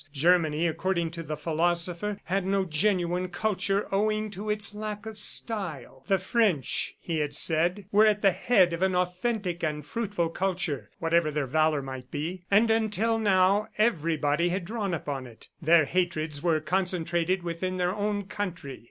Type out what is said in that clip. Germany, according to the philosopher, had no genuine culture owing to its lack of style. "The French," he had said, "were at the head of an authentic and fruitful culture, whatever their valor might be, and until now everybody had drawn upon it." Their hatreds were concentrated within their own country.